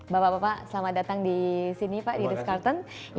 bapak bapak selamat datang di sini pak di rizk carton